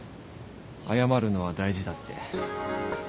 謝るのは大事だって。